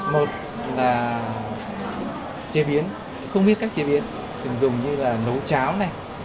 một là chế biến không biết cách chế biến thường dùng như là nấu cháo này